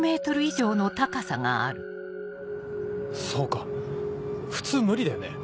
そうか普通無理だよね。